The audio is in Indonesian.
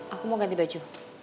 aku mau ganti baju